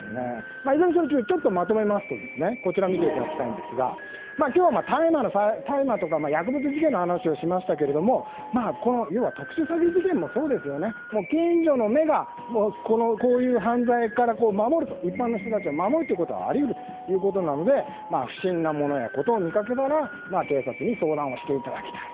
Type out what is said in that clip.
いずれにしても、まとめますと今日は大麻や薬物事件の話をしましたが要は、特殊詐欺事件もそうですが近所の目がこういう犯罪から一般の人を守るということがあり得るということなので不審なものや事を見かけたら警察に相談していただきたい。